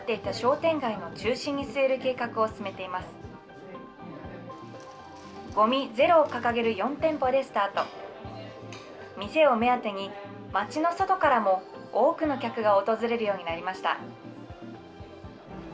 店を目当てに、町の外からも多くの客が訪れるようになりました。